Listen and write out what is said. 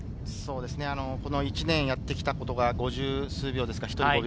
この１年やってきたことが五十数秒。